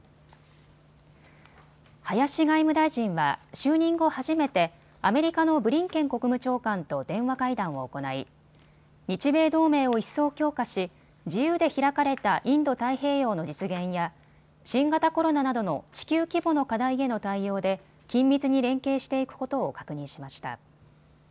林外務大臣は就任後初めてアメリカのブリンケン国務長官と電話会談を行い日米同盟を一層強化し自由で開かれたインド太平洋の実現や新型コロナなどの地球規模の課題への対応で緊密に連携していくことを確認しました。